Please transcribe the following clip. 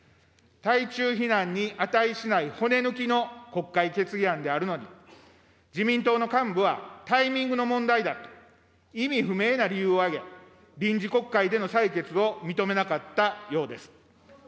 対中非難に値しない骨抜きの国会決議案であるのに、自民党の幹部はタイミングの問題だと、意味不明な理由を挙げ、臨時国会での採決を認めなかったようです。